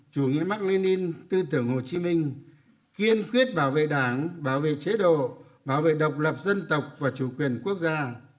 chủ nghĩa mark lenin tư tưởng hồ chí minh kiên quyết bảo vệ đảng bảo vệ chế độ bảo vệ độc lập dân tộc và chủ quyền quốc gia